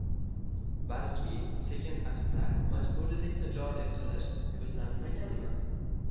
balki sekin-asta majburiylikni joriy qilish ko‘zlanmaganmi?